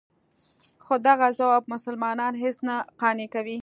خو دغه ځواب مسلمانان هېڅ نه قانع کوي.